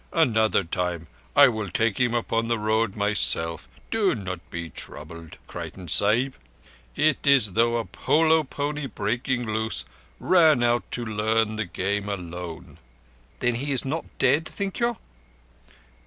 Another time, I will take him upon the Road myself. Do not be troubled, Creighton Sahib. It is as though a polo pony, breaking loose, ran out to learn the game alone." "Then he is not dead, think you?"